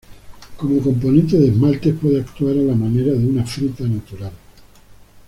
Como componente de esmaltes puede actuar a la manera de una frita natural.